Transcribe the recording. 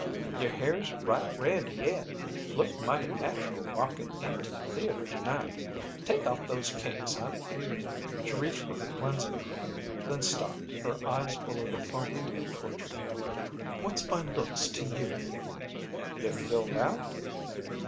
"Your hair's right red yet. Looked mighty natural walkin' into the theater to night. Take off those kinks, honey." She reached for her cleansing cream, then stopped, her eyes full of the foment of torture. "What's my looks to you?" "You've filled out."